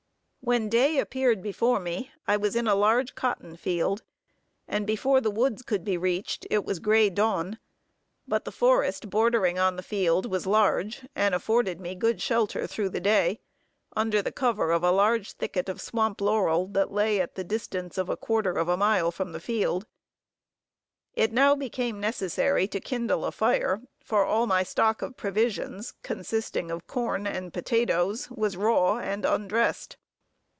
When day appeared before me, I was in a large cotton field, and before the woods could be reached, it was gray dawn; but the forest bordering on the field was large, and afforded me good shelter through the day, under the cover of a large thicket of swamp laurel that lay at the distance of a quarter of a mile from the field. It now became necessary to kindle a fire, for all my stock of provisions, consisting of corn and potatoes, was raw and undressed.